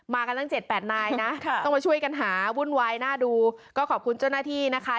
มากันตั้งเจ็ดแปดนายนะขอบคุณเจ้าหน้าที่นะคะ